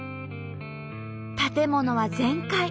建物は全壊。